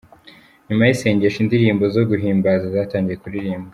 Nyuma y’isengesho ,indirimbo zo guhinbaza zatangiye kuririmbwa.